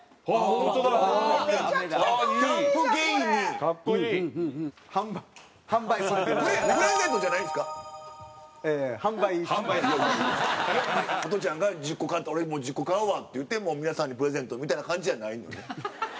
ホトちゃんが１０個買って俺も１０個買うわって言って皆さんにプレゼントみたいな感じじゃないのね？